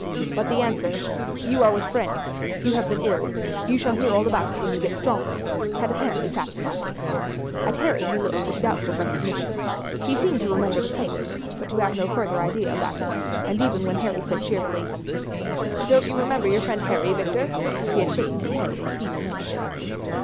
but the answer "You are with friends; you have been ill; you shall hear all about it when you get stronger," had apparently satisfied him. At Harry he looked with doubtful recognition. He seemed to remember the face, but to have no further idea about it, and even when Harry said cheerfully: "Don't you remember your friend Harry, Victor?" he had shaken his head in feeble negative.